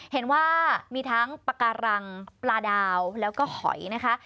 เห็นว่ามีทั้งปากการังปลาดาวแล้วก็หอยนะคะ